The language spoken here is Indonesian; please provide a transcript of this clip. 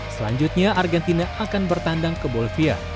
selanjutnya argentina akan bertandang ke bolvia